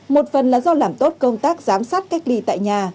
một phần là do làm tốt công tác giám sát cách ly tại nhà